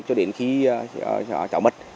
cho đến khi cháu mất